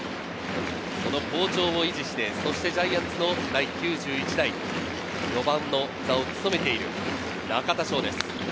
その好調を維持して、そしてジャイアンツの第９１代４番の座を務めている中田翔です。